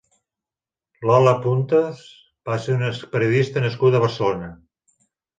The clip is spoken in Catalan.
Lola Puntes va ser una periodista nascuda a Barcelona.